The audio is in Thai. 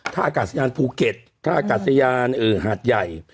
ท่าอากาศยานภูเก็ตท่าอากาศยานหาดใหญ่